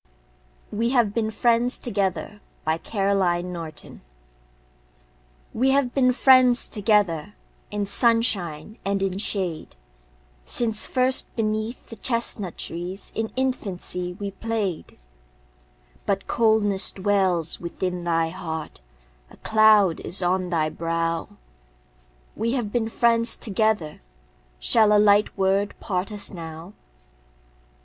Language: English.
Caroline Norton We Have Been Friends Together WE have been friends together In sunshine and in shade, Since first beneath the chestnut trees, In infancy we played. But coldness dwells within thy heart, A cloud is on thy brow; We have been friends together, Shall a light word part us now?